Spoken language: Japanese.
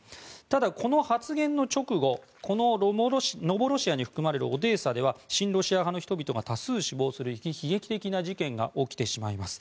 ただ、この発言の直後ノボロシアに含まれるオデーサでは親ロシア派の人々が多数死亡する悲劇的な事件が起きてしまいます。